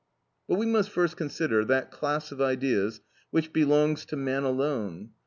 But we must first consider that class of ideas which belongs to man alone.